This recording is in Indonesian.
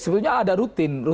sebenarnya ada rutin